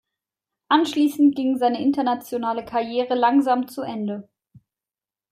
Anschließend ging seine internationale Karriere langsam zu Ende.